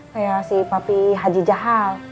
kayak si papi haji jaha